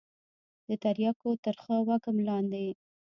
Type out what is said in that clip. د ترياكو ترخه وږم له لاندې.